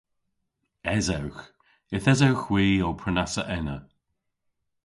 Esewgh. Yth esewgh hwi ow prenassa ena.